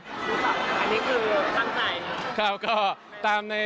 ลูกค่ะอันนี้คือตั้งใจ